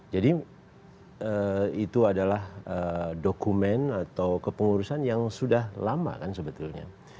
jadi itu adalah dokumen atau kepengurusan yang sudah lama kan sebetulnya